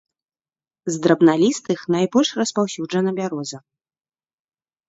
З драбналістых найбольш распаўсюджана бяроза.